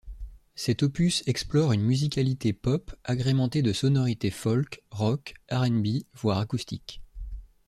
Cet opus explore une musicalité pop, agrémentée de sonorités folk, rock, RnB, voire acoustique.